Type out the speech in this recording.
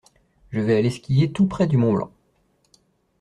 Je vais aller skier tout près du Mont-Blanc.